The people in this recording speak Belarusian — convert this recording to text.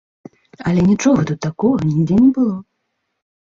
Але нічога тут такога нідзе не было.